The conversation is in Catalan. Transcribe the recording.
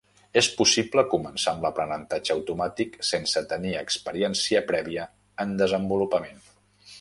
És possible començar amb l'aprenentatge automàtic sense tenir experiència prèvia en desenvolupament.